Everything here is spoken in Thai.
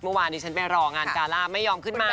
เมื่อวานนี้ฉันไปรองานการ่าไม่ยอมขึ้นมา